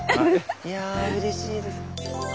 いやうれしいです。